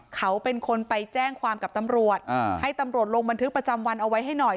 เขาเป็นคนไปแจ้งความกับตำรวจให้ตำรวจลงบันทึกประจำวันเอาไว้ให้หน่อย